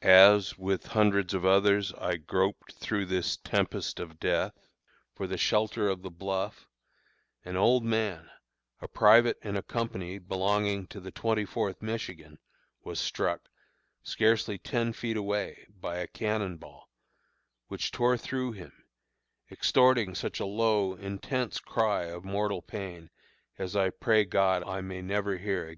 As, with hundreds of others, I groped through this tempest of death for the shelter of the bluff, an old man, a private in a company belonging to the Twenty fourth Michigan, was struck, scarcely ten feet away, by a cannon ball, which tore through him, extorting such a low, intense cry of mortal pain as I pray God I may never again hear.